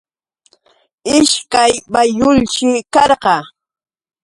Ishkay bayulshi karqa.